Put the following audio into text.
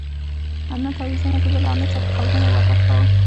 نه تعویذونه کېدل او نه چا د قبرونو عبادت کاوه.